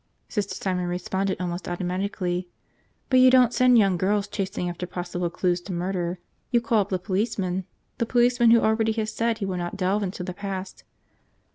Sister Simon responded almost automatically. But you don't send young girls chasing after possible clues to murder. You call up the policeman – the policeman who already has said he will not delve into the past?